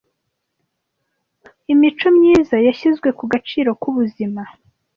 Imico myiza yashyizwe ku gaciro k'ubuzima,